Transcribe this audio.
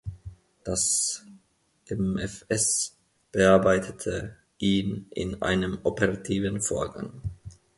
Das MfS „bearbeitete“ ihn in einem Operativen Vorgang.